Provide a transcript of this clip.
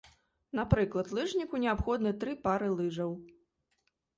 Напрыклад, лыжніку неабходны тры пары лыжаў.